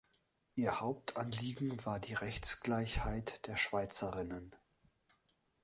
Ihr Hauptanliegen war die Rechtsgleichheit der Schweizerinnen.